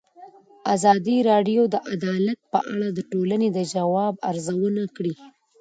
ازادي راډیو د عدالت په اړه د ټولنې د ځواب ارزونه کړې.